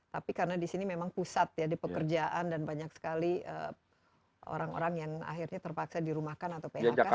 tapi karena di sini memang pusat ya di pekerjaan dan banyak sekali orang orang yang akhirnya terpaksa dirumahkan atau phk